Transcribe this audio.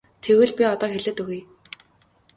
Тэгвэл би одоо хэлээд өгье.